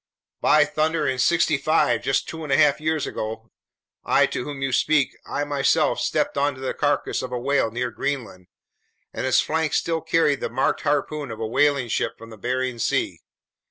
"By thunder! In '65, just two and a half years ago, I to whom you speak, I myself stepped onto the carcass of a whale near Greenland, and its flank still carried the marked harpoon of a whaling ship from the Bering Sea.